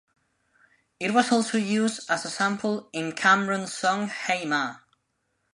It was also used as a sample in Cam'ron's song "Hey Ma".